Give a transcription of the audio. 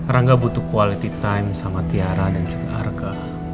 rangga butuh quality time sama tiara dan juga arga